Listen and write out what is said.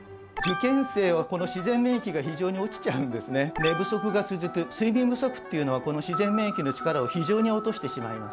寝不足が続く睡眠不足というのはこの自然免疫の力を非常に落としてしまいます。